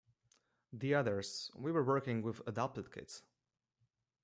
The others, we were working with adopted kids.